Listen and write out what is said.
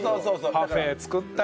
パフェ作ったり。